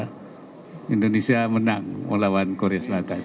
karena indonesia menang melawan korea selatan